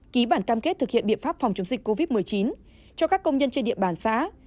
ký bản cam kết thực hiện biện pháp phòng chống dịch covid một mươi chín cho các công nhân trên địa bàn xã